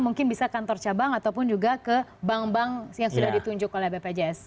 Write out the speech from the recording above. mungkin bisa kantor cabang ataupun juga ke bank bank yang sudah ditunjuk oleh bpjs